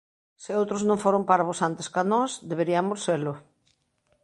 Se outros non foron parvos antes ca nós, deberiamos selo.